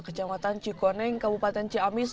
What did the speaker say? kejamatan cikoneng kabupaten ciamis